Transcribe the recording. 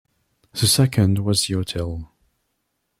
The second was the hotel.